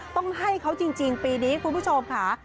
ต้องให้เขาจริงปีนี้คุณผู้ชมค่ะ